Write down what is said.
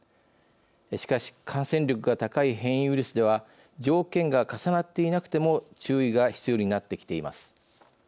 しかし、感染力が高い変異ウイルスでは条件が重なっていなくても注意が必要になってきています。